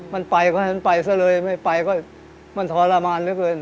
มันไปก็ฉันไปซะเลยไม่ไปก็มันทรมานเหลือเกิน